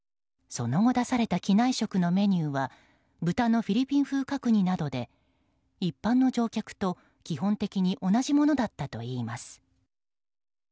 その後出された機内食のメニューは豚のフィリピン風角煮などで一般の乗客と基本的に同じものだったといいます。